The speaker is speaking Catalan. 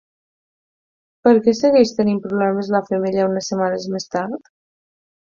Per què segueix tenint problemes la femella unes setmanes més tard?